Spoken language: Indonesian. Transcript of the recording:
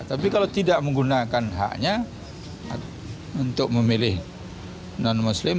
tapi kalau tidak menggunakan haknya untuk memilih non muslim